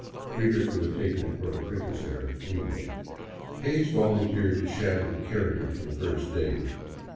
Readers would have taken it for a printer's error, anyway. Hays volunteered to shadow the carrier for the first day.